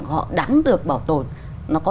của họ đáng được bảo tồn nó có